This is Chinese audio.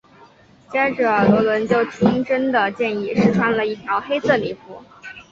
接着萝伦就听珍的建议试穿了一件黑色礼服。